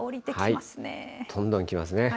どんどん来ますね。